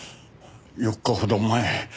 ４日ほど前。